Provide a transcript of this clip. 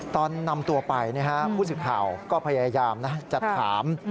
ตอนนำตัวไปเนี่ยฮะผู้สืบข่าวก็พยายามนะจัดถาม